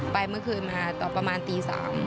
เมื่อคืนมาตอนประมาณตี๓